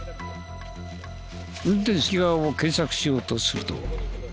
運転席側を検索しようとすると。